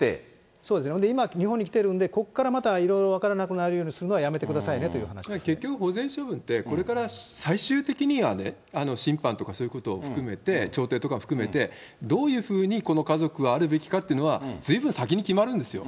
そうですね、今、日本に来てるんで、ここからまたいろいろ分かるようにするのはやめてくださいねとい結局保全処分って、これから最終的にはね、審判とか、そういうことを含めて、調停とか含めて、どういうふうにこの家族があるべきかというのは、ずいぶん先に決まるんですよ。